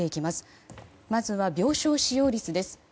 まずは、病床使用率です。